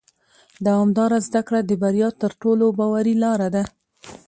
دوامداره زده کړه د بریا تر ټولو باوري لاره ده